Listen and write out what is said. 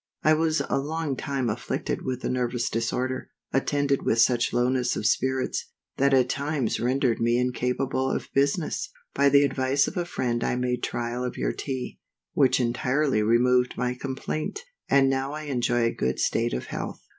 _ I was a long time afflicted with a nervous disorder, attended with such lowness of spirits, that at times rendered me incapable of business By the advice of a friend I made trial of your Tea, which entirely removed my complaint, and I now enjoy a good state of health.